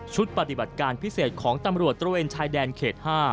ปฏิบัติการพิเศษของตำรวจตระเวนชายแดนเขต๕